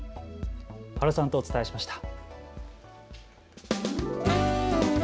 原さんとお伝えしました。